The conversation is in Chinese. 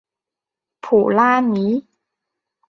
普拉尼。